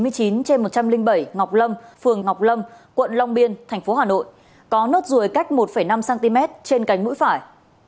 trên một trăm linh bảy ngọc lâm phường ngọc lâm quận long biên thành phố hà nội có nốt ruồi cách một năm cm trên cánh mũi phải